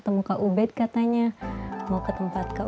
tetap nyari kerudung emam pasang duck